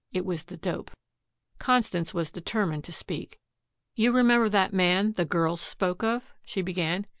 It was the dope. Constance was determined to speak. "You remember that man the girls spoke of?" she began.